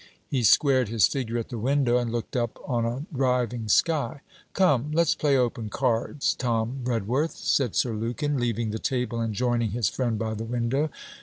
He squared his figure at the window, and looked up on a driving sky. 'Come, let's play open cards, Tom Redworth,' said Sir Lukin, leaving the table and joining his friend by the window.